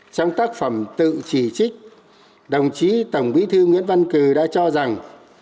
trong tác phẩm tự chỉ trích đồng chí tổng bí thư nguyễn văn cử đã cho rằng